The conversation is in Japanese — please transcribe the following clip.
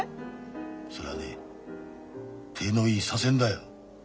それはね体のいい左遷だよ。